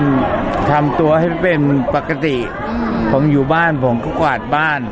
ผมทำตัวให้เป็นปกติผมอยู่บ้านผมก็กวาดบ้าน